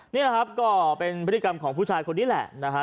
นี่แหละครับก็เป็นพฤติกรรมของผู้ชายคนนี้แหละนะฮะ